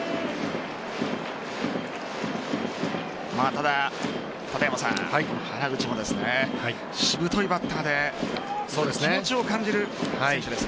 ただ、原口もしぶといバッターで気持ちを感じる選手です。